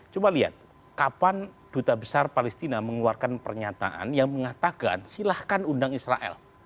coba lihat kapan duta besar palestina mengeluarkan pernyataan yang mengatakan silahkan undang israel